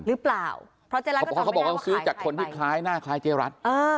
หรือเปล่าเพราะเจ๊รัฐก็ตอบไม่ได้ว่าขายใครไปเขาบอกว่าเขาซื้อจากคนที่คล้ายหน้าคล้ายเจ๊รัฐ